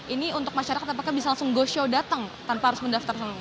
ini untuk masyarakat apakah bisa langsung go show datang tanpa harus mendaftar